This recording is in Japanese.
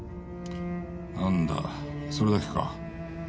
なんだそれだけか。